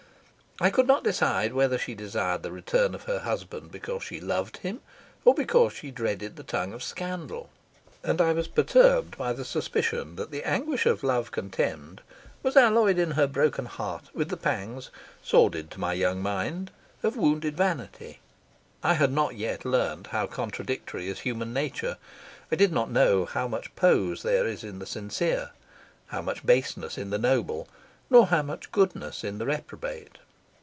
I could not decide whether she desired the return of her husband because she loved him, or because she dreaded the tongue of scandal; and I was perturbed by the suspicion that the anguish of love contemned was alloyed in her broken heart with the pangs, sordid to my young mind, of wounded vanity. I had not yet learnt how contradictory is human nature; I did not know how much pose there is in the sincere, how much baseness in the noble, nor how much goodness in the reprobate.